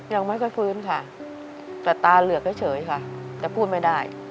ยังไม่ค่อยฟื้นค่ะแต่ตาเหลือกเฉยค่ะแต่พูดไม่ได้